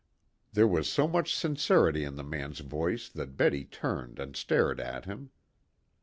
There was so much sincerity in the man's voice that Betty turned and stared at him.